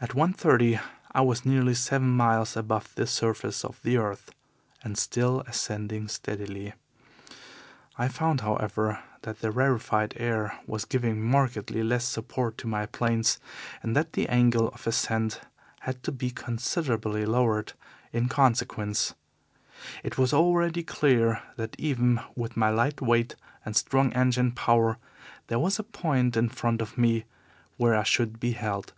At one thirty I was nearly seven miles above the surface of the earth, and still ascending steadily. I found, however, that the rarefied air was giving markedly less support to my planes, and that my angle of ascent had to be considerably lowered in consequence. It was already clear that even with my light weight and strong engine power there was a point in front of me where I should be held.